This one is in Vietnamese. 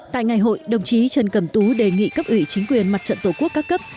tại ngày hội đồng chí trần cẩm tú đề nghị cấp ủy chính quyền mặt trận tổ quốc các cấp